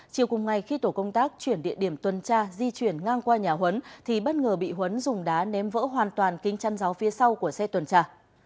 chiều cùng ngày khi tổ công tác chuyển địa điểm tuần tra di chuyển ngang qua nhà huấn thì bất ngờ bị huấn dùng đá ném vỡ hoàn toàn kính chăn giáo phía sau của xe tuần tra